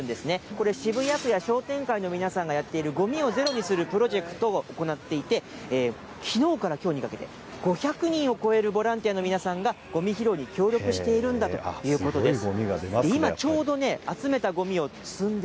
これ、渋谷区や商店会の皆さんがやっている、ごみをゼロにするプロジェクトを行っていて、きのうからきょうにかけて、５００人を超えるボランティアの皆さんがごみ拾いに協力しているんだということです。